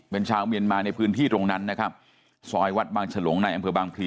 เป็นชาวเมียนมาในพื้นที่ตรงนั้นนะครับซอยวัดบางฉลงในอำเภอบางพลี